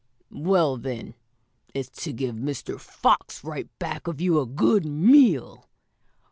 "Well, then, it's to give Mr. Fox right back of you a good meal."